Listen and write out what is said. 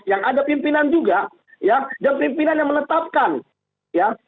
yang ada pimpinan juga ya dan pimpinan yang menetapkan ya